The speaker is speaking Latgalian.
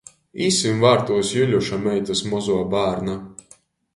Īsim vārtūs Juļuša meitys mozuo bārna.